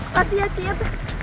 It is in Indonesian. pati ya fit